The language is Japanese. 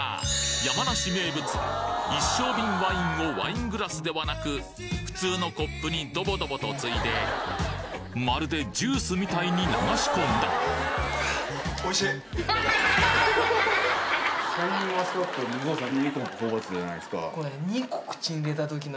山梨名物一升瓶ワインをワイングラスではなく普通のコップにドボドボとついでまるでジュースみたいに流し込んだこれたぶんね。